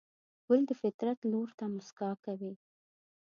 ګل د فطرت لور ته موسکا کوي.